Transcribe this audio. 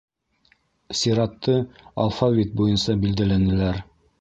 Сиратты алфавит буйынса билдәләнеләр.